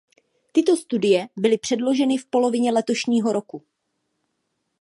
Tyto studie byly předloženy v polovině letošního roku.